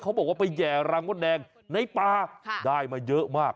เขาบอกว่าไปแห่รังมดแดงในป่าได้มาเยอะมาก